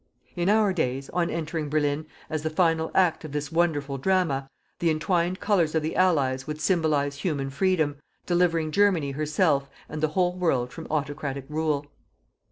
In our days, on entering Berlin, as the final act of this wonderful drama, the entwined Colours of the Allies would symbolize Human Freedom, delivering Germany herself and the whole world from autocratic rule.